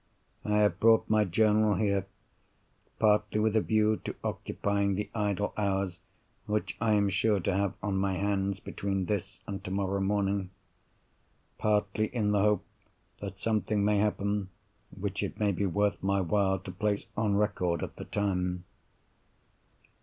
I have brought my journal here, partly with a view to occupying the idle hours which I am sure to have on my hands between this and tomorrow morning; partly in the hope that something may happen which it may be worth my while to place on record at the time.